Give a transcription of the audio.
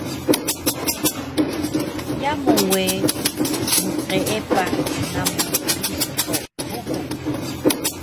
Yamu we mqeepah namu Kiristo Bukung